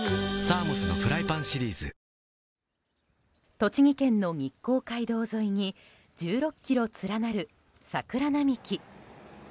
栃木県の日光街道沿いに１６ｋｍ連なる桜並木。